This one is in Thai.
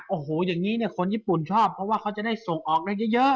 โอ้โหอย่างนี้เนี่ยคนญี่ปุ่นชอบเพราะว่าเขาจะได้ส่งออกได้เยอะ